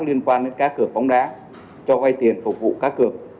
liên quan đến cá cược bóng đá cho quay tiền phục vụ cá cược